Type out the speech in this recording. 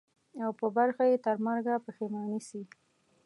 او په برخه یې ترمرګه پښېماني سي.